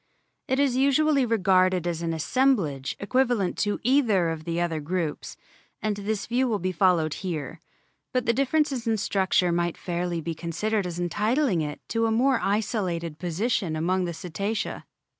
It is usually regarded as an assemblage equivalent to either of the other groups, and this view will be followed here. But the differences in structure might fairly be considered as entitling it to a more isolated position among the Cetacea.